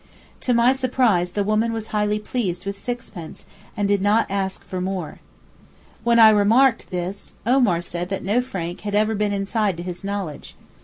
To my surprise the woman was highly pleased with sixpence, and did not ask for more. When I remarked this, Omar said that no Frank had ever been inside to his knowledge.